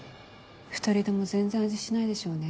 ２人とも全然味しないでしょうね。